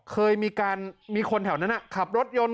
เคยมีการมีคนแถวนั้นขับรถยนต์